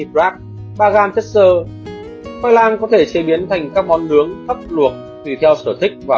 ba gram chất xơ khoai lang có thể chế biến thành các món nướng thấp luộc tùy theo sở thích và